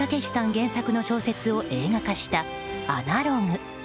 原作の小説を映画化した「アナログ」。